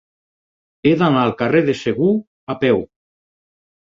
He d'anar al carrer de Segur a peu.